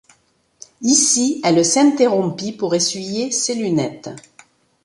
Ici elle s’interrompit pour essuyer ses lunettes.